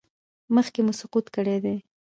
مخکې مو سقط کړی دی؟